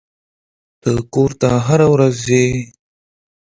ته کور ته هره ورځ ځې.